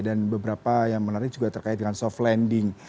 dan beberapa yang menarik juga terkait dengan soft landing